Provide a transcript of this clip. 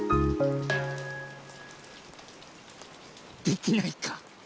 できないか。